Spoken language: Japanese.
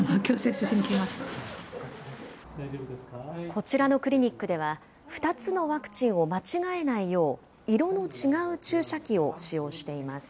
こちらのクリニックでは、２つのワクチンを間違えないよう、色の違う注射器を使用しています。